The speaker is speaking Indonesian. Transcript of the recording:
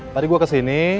tadi gue kesini